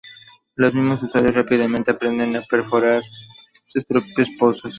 Los mismos usuarios rápidamente aprenden a perforar sus propios pozos.